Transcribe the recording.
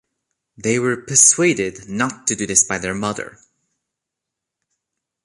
They were persuaded not to do this by their mother.